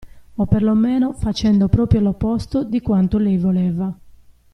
O per lo meno facendo proprio l'opposto di quanto lei voleva.